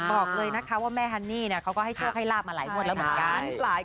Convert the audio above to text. บอกเลยนะคะว่าแม่ฮันนี่เขาก็ให้โชคให้ลาบมาหลายงวดแล้วเหมือนกัน